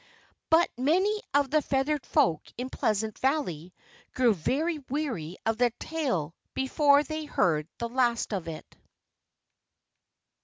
But many of the feathered folk in Pleasant Valley grew very weary of the tale before they heard the last of it.